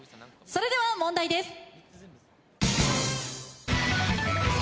それでは問題です。